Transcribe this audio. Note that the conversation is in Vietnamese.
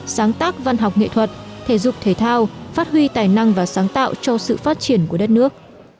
sáng tác văn học nghệ thuật thể dục thể thao phát huy tài năng và sáng tạo cho sự phát triển của đất nước